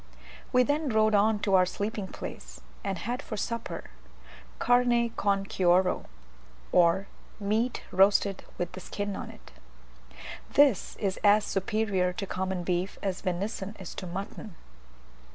We then rode on to our sleeping place, and had for supper "carne con cuero," or meat roasted with the skin on it. This is as superior to common beef as venison is to mutton.